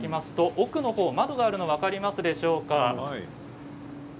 奥のほう窓があるのが分かりますか？